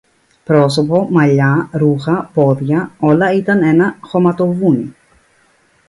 Πρόσωπο, μαλλιά, ρούχα, πόδια, όλα ήταν ένα χωματοβούνι